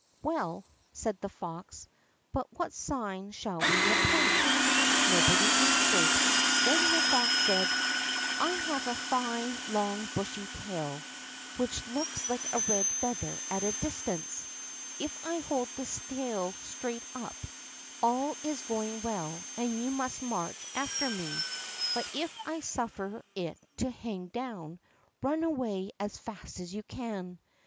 "Well," said the fox, "but what sign shall we appoint?" Nobody answered. Then the fox said: "I have a fine long bushy tail, which looks like a red feather at a distance; if I hold this tail straight up, all is going well and you must march after me; but if I suffer it to hang down, run away as fast as you can."